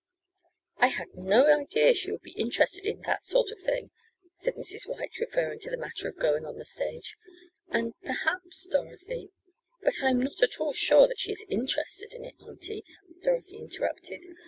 "I had no idea she would be interested in that sort of thing," said Mrs. White, referring to the matter of going on the stage, "and, perhaps, Dorothy " "But I am not at all sure that she is interested in it, auntie," Dorothy interrupted.